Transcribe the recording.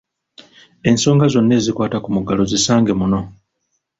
Ensonga zonna ezikwata ku muggalo zisange muno.